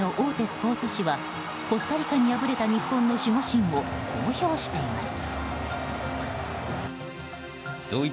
スポーツ紙はコスタリカに敗れた日本の守護神をこう評しています。